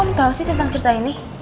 kok om tau sih tentang cerita ini